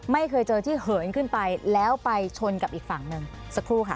ไม่เคยเจอที่เหินขึ้นไปแล้วไปชนกับอีกฝั่งหนึ่งสักครู่ค่ะ